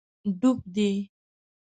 ډوب دی